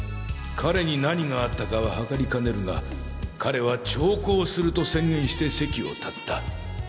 彼に何があったかは計りかねるが彼は「長考する」と宣言して席を立った。